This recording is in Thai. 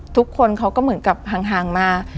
ทุกคนเขาก็เหมือนกับห่างมา